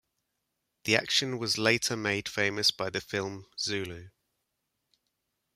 The action was later made famous by the film "Zulu".